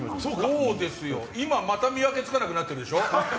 今また見分けつかなくなってるでしょ。